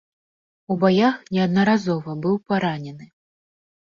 У баях неаднаразова быў паранены.